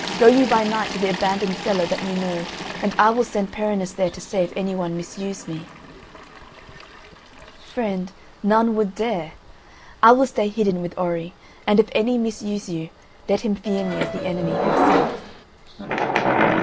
Go you by night to the abandoned cellar that you know and I will send Perinis there to say if anyone misuse me." "Friend, none would dare. I will stay hidden with Orri, and if any misuse you let him fear me as the Enemy himself."